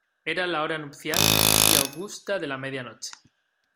era la hora nupcial y augusta de la media noche.